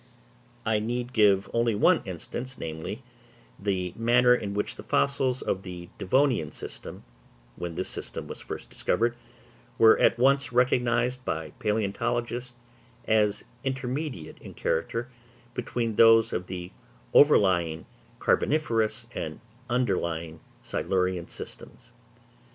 I need give only one instance, namely, the manner in which the fossils of the Devonian system, when this system was first discovered, were at once recognised by palæontologists as intermediate in character between those of the overlying carboniferous and underlying Silurian systems.